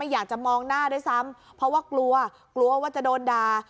อยากจะมองหน้าด้วยซ้ำเพราะว่ากลัวกลัวว่าจะโดนด่า